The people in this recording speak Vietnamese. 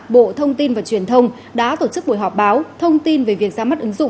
bộ thông tin và truyền thông cho biết